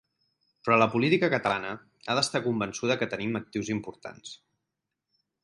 Però la política catalana ha d’estar convençuda que tenim actius importants.